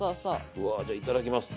うわじゃあいただきます。